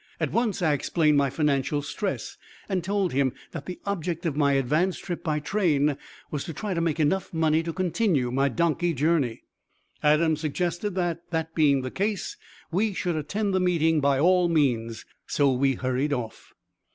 At once I explained my financial stress, and told him that the object of my advance trip by train was to try to make enough money to continue my donkey journey. Adams suggested that, that being the case, we should attend the meeting, by all means; so we hurried off.